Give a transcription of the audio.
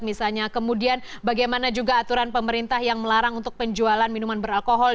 misalnya kemudian bagaimana juga aturan pemerintah yang melarang untuk penjualan minuman beralkohol